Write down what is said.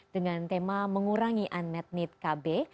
dengan tema mengurangi annet need kb